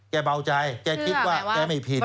เบาใจแกคิดว่าแกไม่ผิด